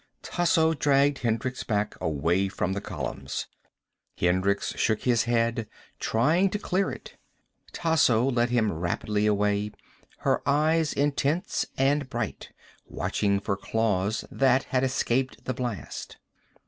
Tasso dragged Hendricks back, away from the columns. Hendricks shook his head, trying to clear it. Tasso led him rapidly away, her eyes intense and bright, watching for claws that had escaped the blast.